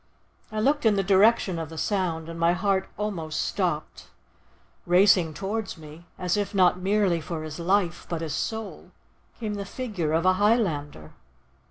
I looked in the direction of the sound—and—my heart almost stopped. Racing towards me—as if not merely for his life, but his soul—came the figure of a Highlander.